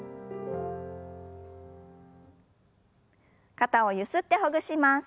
肩をゆすってほぐします。